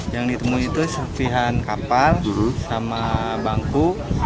yang ditemui itu serpihan kapal sama bangku